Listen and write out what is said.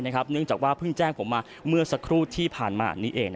เนื่องจากว่าเพิ่งแจ้งผมมาเมื่อสักครู่ที่ผ่านมานี้เอง